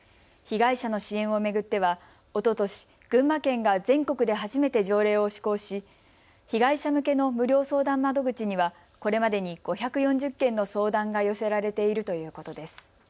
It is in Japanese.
被害者の支援を巡ってはおととし群馬県が全国で初めて条例を施行し被害者向けの無料相談窓口にはこれまでに５４０件の相談が寄せられているということです。